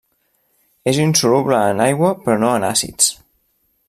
És insoluble en aigua però no en àcids.